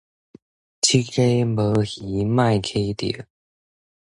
這溪無魚別溪釣